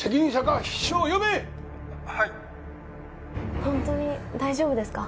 ホントに大丈夫ですか？